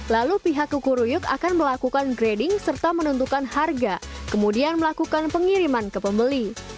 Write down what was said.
lalu pihak kuku ruyuk akan melakukan grading serta menentukan harga kemudian melakukan pengiriman ke pembeli